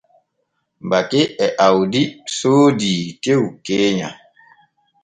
Bake e Awdi soodii tew keenya.